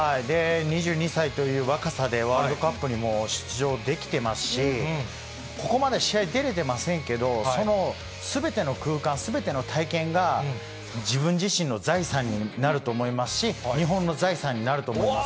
２２歳という若さでワールドカップに出場できてますし、ここまで試合出れてませんけど、そのすべての空間、すべての体験が、自分自身の財産になると思いますし、日本の財産になると思います。